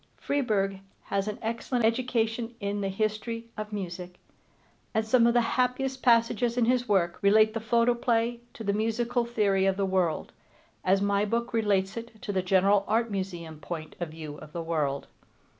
Freeburg has an excellent education in the history of music, and some of the happiest passages in his work relate the photoplay to the musical theory of the world, as my book relates it to the general Art Museum point of view of the world.